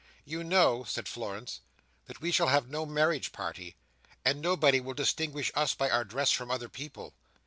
"You know," said Florence, "that we shall have no marriage party, and that nobody will distinguish us by our dress from other people.